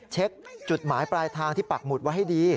เช็คจุดหมายปลายทางที่ปักหมุดไว้ให้ดี